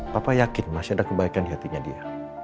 papa yakin masih ada kebaikan di hatinya dia